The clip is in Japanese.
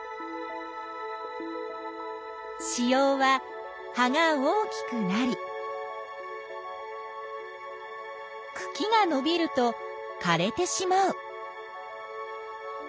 子葉は葉が大きくなりくきがのびるとかれてしまう。